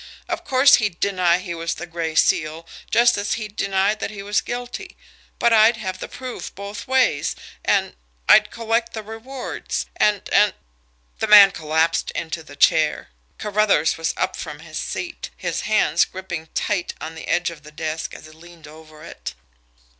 Of course he'd deny he was the Gray Seal, just as he'd deny that he was guilty but I'd have the proof both ways and and I'd collect the rewards, and and " The man collapsed into the chair. Carruthers was up from his seat, his hands gripping tight on the edge of the desk as he leaned over it.